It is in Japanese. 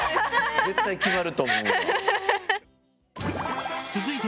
絶対決まると思うわ。